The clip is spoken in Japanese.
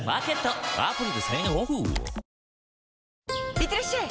いってらっしゃい！